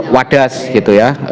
wadas gitu ya